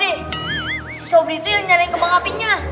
si sobri tuh yang nyalain kembang apinya